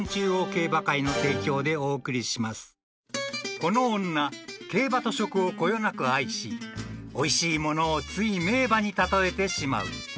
［この女競馬と食をこよなく愛しおいしいものをつい名馬に例えてしまう］